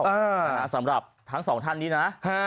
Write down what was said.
สำหรับทั้งสองท่านนี้นะ